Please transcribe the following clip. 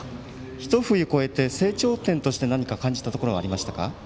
ひと冬越えて成長点として何か感じたことはありましたか。